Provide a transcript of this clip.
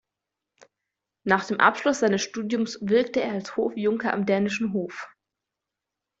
Nach dem Abschluss seines Studiums wirkte er als Hofjunker am dänischen Hof.